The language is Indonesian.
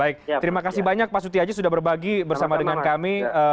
baik terima kasih banyak pak sutiaji sudah berbagi bersama dengan kami